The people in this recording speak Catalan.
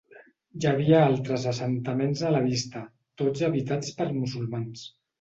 Hi havia altres assentaments a la vista, tots habitats per musulmans.